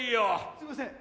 すいません。